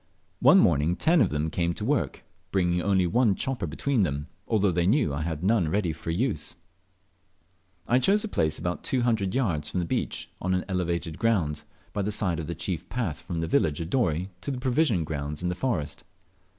One morning ten of them came to work, bringing only one chopper between them, although they knew I had none ready for use. I chose a place about two hundred yards from the beach, on an elevated ground, by the side of the chief path from the village of Dorey to the provision grounds and the forest.